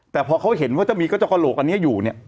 แต่พอเขาเห็นว่าจะมีก็จะกระโหลกอันนี้อยู่เนี่ย